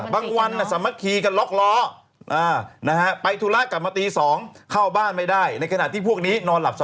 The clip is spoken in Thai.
บางวันสามารถขี่กันหลอกหลอก